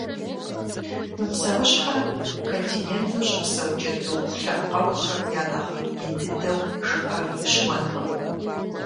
Мы псэущхьэр континентым щыпсэу джэду лъэпкъыгъуэхэм я нэхъ ин дыдэу жыпӏэми, ущыуэнкъым.